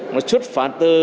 một chút phản tư